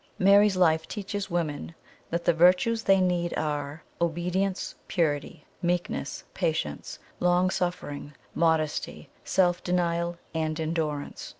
Mary's life teaches women that the virtues they need are obedience, purity, meekness, patience, long suffering, modesty, self denial, and endurance.